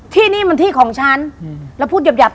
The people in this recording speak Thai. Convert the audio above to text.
ที่นี่มันที่ของฉันแล้วพูดหยาบ